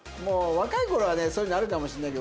若い頃はねそういうのあるかもしれないけど。